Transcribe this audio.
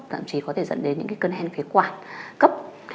thậm chí có thể dẫn đến những cơn hen phế quản cấp